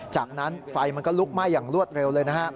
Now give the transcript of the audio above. จากนั้นไฟมันก็ลุกไหม้อย่างรวดเร็วเลยนะฮะ